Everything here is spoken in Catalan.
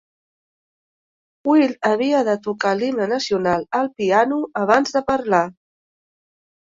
Wild havia de tocar l'himne nacional al piano abans de parlar.